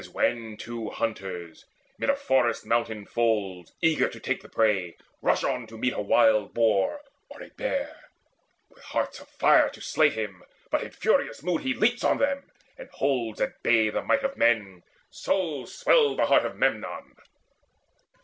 As when Two hunters 'mid a forest's mountain folds, Eager to take the prey, rush on to meet A wild boar or a bear, with hearts afire To slay him, but in furious mood he leaps On them, and holds at bay the might of men; So swelled the heart of Memnon.